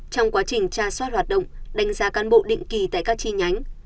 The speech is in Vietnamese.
xóa hoạt động đánh giá cán bộ định kỳ tại các chi nhánh